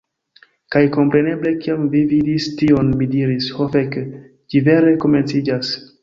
Kaj kompreneble kiam vi vidis tion mi diris, "Ho fek'! Ĝi vere komenciĝas!"